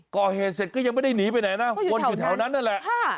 ก่อเหตุเสร็จก็ยังไม่ได้หนีไปไหนนะวนอยู่แถวนั้นนั่นแหละ